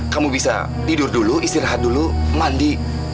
kamu bisa tidur dulu istirahat dulu mandi